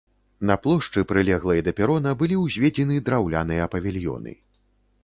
На плошчы, прылеглай да перона, былі ўзведзены драўляныя павільёны.